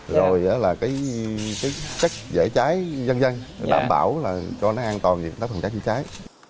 rồi là cái chất dễ cháy dân dân đảm bảo cho nó an toàn đáp phòng cháy chữa cháy